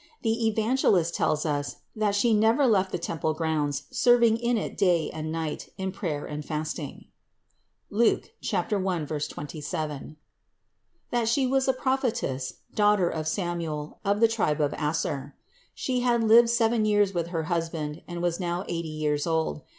The Evangelist tells us that She never left the temple grounds serving in it day and night in prayer and fasting (Luke 1, 27) ; that she was a prophetess, daughter of Samuel, of the tribe of Aser. She had lived seven years with her husband and was now eighty years old.